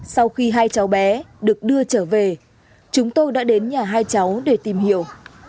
sau khi hai cháu bé được đưa trở về chúng tôi đã đến nhà hai cháu để tìm hiểu